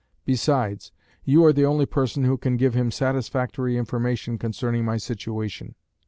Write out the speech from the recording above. Besides, you are the only person who can give him satisfactory information concerning my situation.